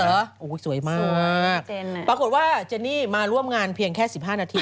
โอ้โหสวยมากปรากฏว่าเจนี่มาร่วมงานเพียงแค่๑๕นาที